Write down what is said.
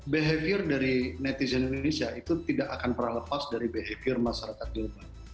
behavior dari netizen indonesia itu tidak akan pernah lepas dari behavior masyarakat global